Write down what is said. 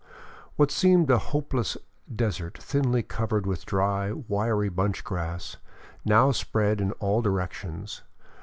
What seemed a hopeless desert thinly covered with dry, wiry bunch grass, now spread in all directions.